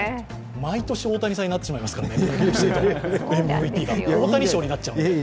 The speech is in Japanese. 毎年大谷さんになってしまいますからね。